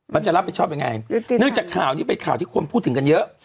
มันจะรับผิดชอบยังไงเนื่องจากข่าวนี้เป็นข่าวที่คนพูดถึงกันเยอะ